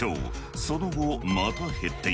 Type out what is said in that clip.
その後また減っている